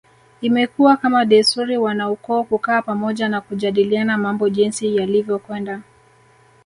Imekuwa kama desturi wanaukoo kukaa pamoja na kujadiliana mambo jinsi yalivyokwenda